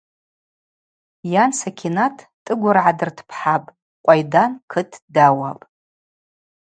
Йан Сакьинат Тӏыгвргӏа дыртпхӏапӏ, Къвайдан кыт дауапӏ.